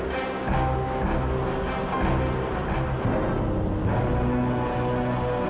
dan saya juga akan menangkap ayah